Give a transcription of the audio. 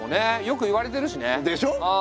よく言われてるしね。でしょ！